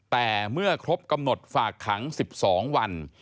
แต่เมื่อครบกำหนดฝากขัง๑๒วัน